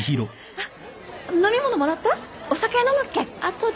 あっ。